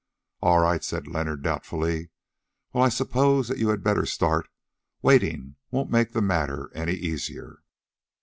"All right," said Leonard doubtfully. "Well, I suppose that you had better start; waiting won't make the matter any easier."